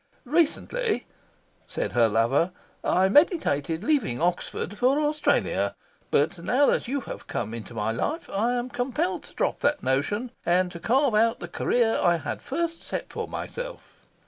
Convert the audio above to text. "Recently," said her lover, "I meditated leaving Oxford for Australia. But now that you have come into my life, I am compelled to drop that notion, and to carve out the career I had first set for myself.